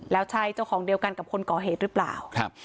แล้วใช่เจ้าของเดียวกันกับคนก่อเหตุหรือเปล่าครับ